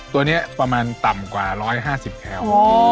ตัวนี้ประมาณต่ำกว่า๑๕๐แคล